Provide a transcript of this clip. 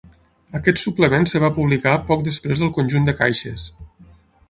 Aquest suplement es va publicar poc després del conjunt de caixes.